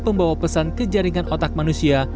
pembawa pesan ke jaringan otak manusia